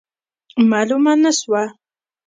معلومه نه سوه.